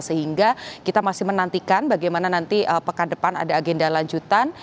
sehingga kita masih menantikan bagaimana nanti pekan depan ada agenda lanjutan